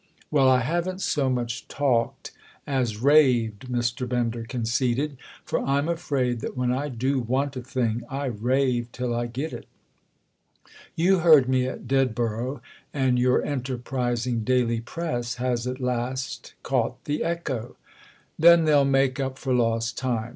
"Well, I haven't so much talked as raved," Mr. Bender conceded—"for I'm afraid that when I do want a thing I rave till I get it. You heard me at Ded borough, and your enterprising daily press has at last caught the echo." "Then they'll make up for lost time!